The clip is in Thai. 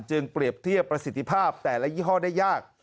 เปรียบเทียบประสิทธิภาพแต่ละยี่ห้อได้ยาก